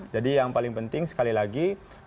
jadi yang paling penting sekali lagi